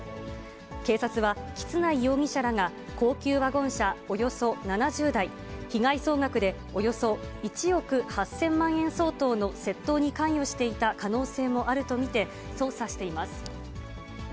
警察は、橘内容疑者らが高級ワゴン車およそ７０台、被害総額で、およそ１億８０００万円相当の窃盗に関与していた可能性もあると見て捜査しています。